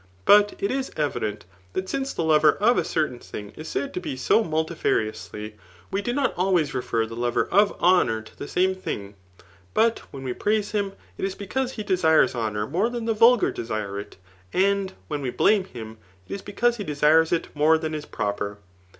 Butk is jevident, ^tat ^Bce the lover of a certain dung is taid to be so muki fttkmslgry we do not always refor the lover of honour to the same thing ; but whoi we praise him, it is because he desires honour more than the vulgar desire it, and when we blame him, it is because he desires it more than is proper.